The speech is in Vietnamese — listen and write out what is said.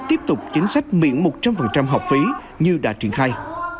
tiếp tục chính sách miễn một trăm linh học phí như đã triển khai